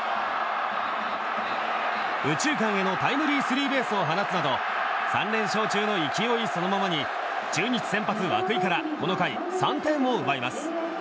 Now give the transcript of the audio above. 右中間へのタイムリースリーベースを放つなど３連勝中の勢いそのままに中日先発、涌井からこの回３点を奪います。